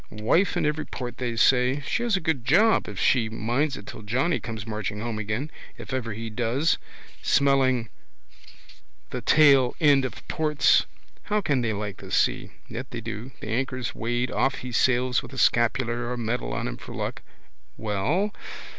Wife in every port they say. She has a good job if she minds it till Johnny comes marching home again. If ever he does. Smelling the tail end of ports. How can they like the sea? Yet they do. The anchor's weighed. Off he sails with a scapular or a medal on him for luck. Well.